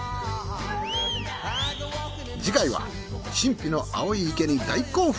次回は神秘の青い池に大興奮。